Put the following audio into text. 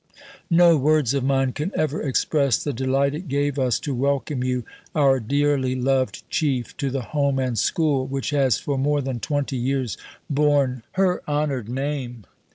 No words of mine can ever express the delight it gave us to welcome you, our dearly loved Chief, to the Home and School which has for more than 20 years borne 'her honoured name.'"